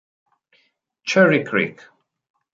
Cherry Creek